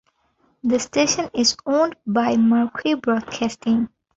The station is owned by Marquee Broadcasting.